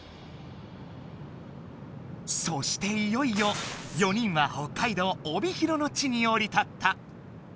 そしていよいよ４人は北海道帯広の地におり立った。